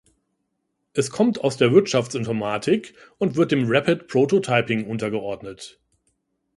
Es kommt aus der Wirtschaftsinformatik und wird dem Rapid Prototyping untergeordnet.